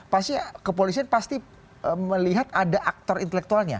pasti kepolisian pasti melihat ada aktor intelektualnya